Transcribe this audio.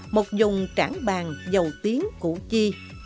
một vùng trảng bàn giàu tiếng cụ chi